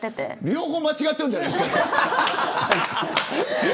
両方間違っているんじゃないですか。